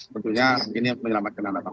maksudnya ini yang menyelamatkan anda pak